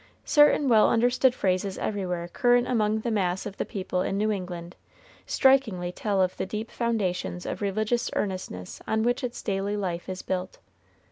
Certain well understood phrases everywhere current among the mass of the people in New England, strikingly tell of the deep foundations of religious earnestness on which its daily life is built.